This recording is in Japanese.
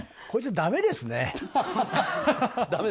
こいつ、だめですね。